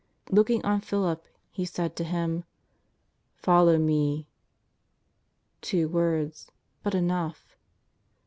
Looking on Philip He said to him: " Follow Me." Two words, but enough.